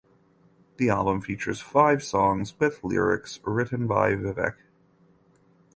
The album features five songs with lyrics written by Vivek.